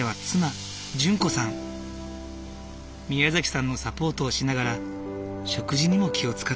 みやざきさんのサポートをしながら食事にも気を遣っている。